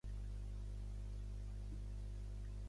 Bon dia tengui!